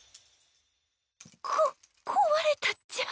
こ壊れたっちゃ